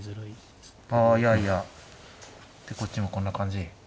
いやいやでこっちもこんな感じ。